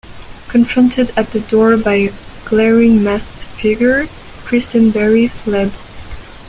Confronted at the door by a glaring masked figure, Christenberry fled.